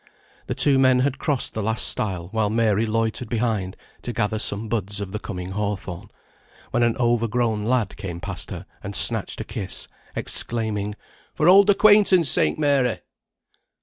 The two men had crossed the last stile while Mary loitered behind to gather some buds of the coming hawthorn, when an over grown lad came past her, and snatched a kiss, exclaiming, "For old acquaintance sake, Mary."